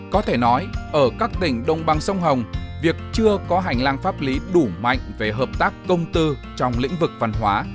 có thể nói ở các tỉnh đông băng sông hồng việc chưa có hành lang pháp lý đủ mạnh về hợp tác công tư trong lĩnh vực văn hóa